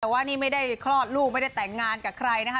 แต่ว่านี่ไม่ได้คลอดลูกไม่ได้แต่งงานกับใครนะคะ